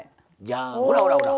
ほらほらほら。